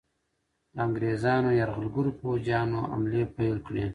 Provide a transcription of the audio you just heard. د انګریزانو یرغلګرو پوځیانو حملې پیل کړې.